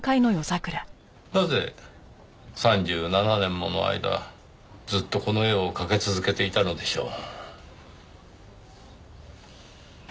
なぜ３７年もの間ずっとこの絵を掛け続けていたのでしょう。